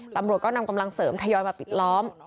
ตำรวจก็นำกำลังเสริมทยอยมาปิดล้อม